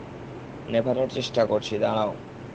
নেভানোর চেষ্টা করছি, দাঁড়াও!